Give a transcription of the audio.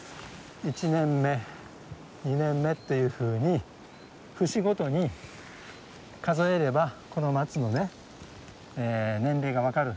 １年目２年目っていうふうに節ごとに数えればこの松のね年齢が分かる。